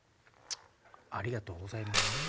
ありがとうございます。